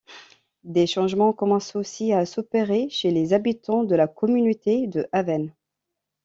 Des changements commencent aussi à s'opérer chez les habitants de la communauté de Haven.